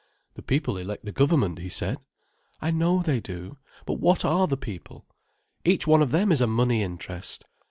"The people elect the government," he said. "I know they do. But what are the people? Each one of them is a money interest.